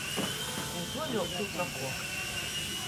Kū tuoļuok, tū trokuok.